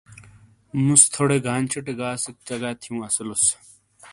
موسے تھوڑے گانچھے ٹے گاس چگا تھیو اسولوس۔